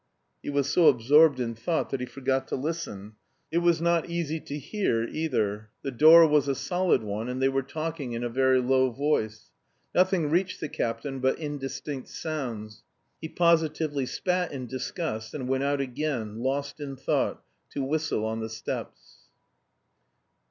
He was so absorbed in thought that he forgot to listen. It was not easy to hear either. The door was a solid one, and they were talking in a very low voice. Nothing reached the captain but indistinct sounds. He positively spat in disgust, and went out again, lost in thought, to whistle on the steps.